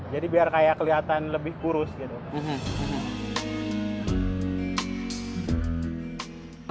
jadi biar kayak kelihatan lebih kurus gitu